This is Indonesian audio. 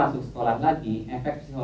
sebetulnya niat om itu